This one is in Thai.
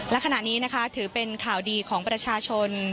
และขณะนี้นะคะถือเป็นข่าวดีของประชาชน